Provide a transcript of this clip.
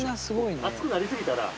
熱くなりすぎたら川。